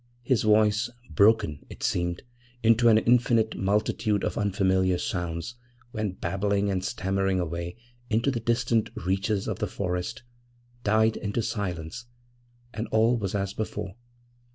His voice, broken, it seemed, into an infinite multitude of unfamiliar sounds, went babbling and stammering away into the distant reaches of the forest, died into silence, and all was as before.